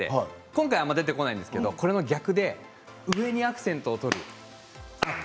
今回は出てこないんですけど逆で上にアクセントを取る。